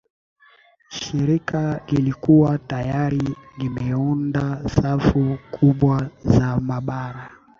shirika lilikuwa tayari limeunda safu kubwa za mabara